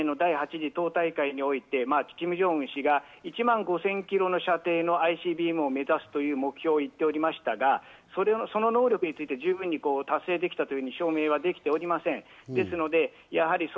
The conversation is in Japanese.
北朝鮮もともと２０２１年の第８次党大会において、キム・ジョンウン氏が１万５０００キロの射程のＩＣＢＭを目指すという目標を行っておりましたがその能力について十分に達成できたというふうに証明できておりません。